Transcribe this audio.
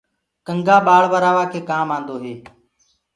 ڪنٚگآ ٻݪورآوآ ڪي ڪآم آندو هي۔